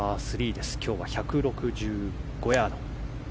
今日は１６５ヤード。